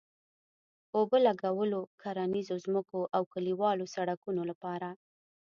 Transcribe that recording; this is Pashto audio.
د اوبه لګولو، کرنيزو ځمکو او کلیوالو سړکونو لپاره